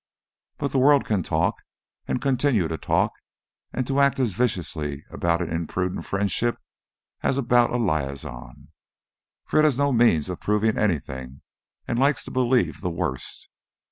But the world can talk and continue to talk, and to act as viciously about an imprudent friendship as about a liaison, for it has no means of proving anything and likes to believe the worst.